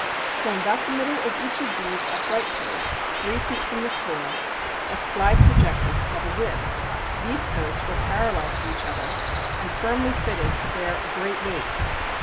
From about the middle of each of these upright posts, three feet from the floor, a slide projected, called a rib; these posts were parallel to each other, and firmly fitted, to bear a great weight.